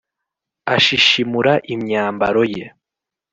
ashishimura imyambaro ye,